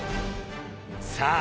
さあ